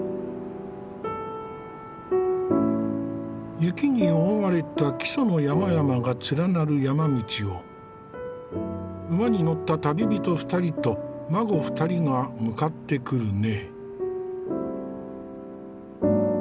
雪に覆われた木曽の山々が連なる山道を馬に乗った旅人２人と馬子２人が向かってくるね。